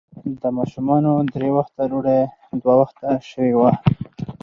د ماشومانو درې وخته ډوډۍ، دوه وخته شوې وه.